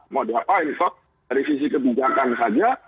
mau di stop dari sisi kebijakan saja